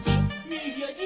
「みぎあし」